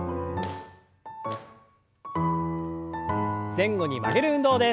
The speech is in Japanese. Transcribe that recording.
前後に曲げる運動です。